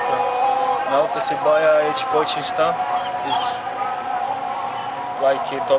sekarang persebaya setiap coaching setengah seperti top lima tapi pasti bisa ke top satu